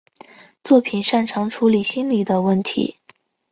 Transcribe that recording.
作品擅长处理心理问题。